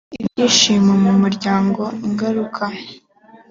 ibyishimo mu muryango ingaruka